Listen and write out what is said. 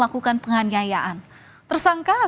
dan dihubungi dengan tuan tuan dan dihubungi dengan tuan tuan